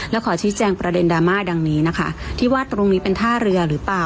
และขอชี้แจงประเด็นดราม่าดังนี้นะคะที่ว่าตรงนี้เป็นท่าเรือหรือเปล่า